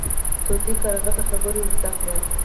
طوطي کارغه ته خبرې ور زده کړې.